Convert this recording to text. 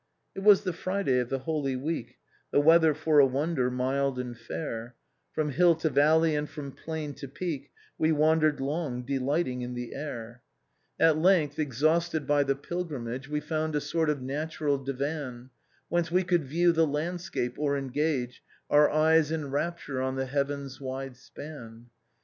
" It was the Friday of the Holy Week, The weather, for a wonder, mild and fair; From hill to valley, and from plain to peak, We wandered long, delighting in the air. BPILOGUE TO THE LOVES OF RODOLPHE AND MIMI. 313 "At length, exhausted by the pilgrimage, We found a sort of natural divan, Whence wc could view the landscape, or engage Our eyes in rapture on the heaven's wide span.